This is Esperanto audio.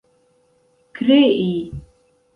krei